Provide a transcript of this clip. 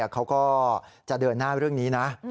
เขาก็จะเดินหน้าเรื่องนี้นะ